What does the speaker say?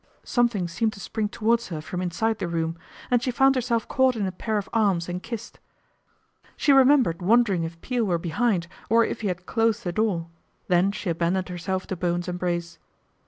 Something seemed to spring towards her from inside the room, and she found herself caught in a pair of arms and kissed. She remembered 301 302 PATRICIA BRENT, SPINSTER wondering if Peel were behind, or if he had closed the door, then she abandoned herself to Bowen's embrace.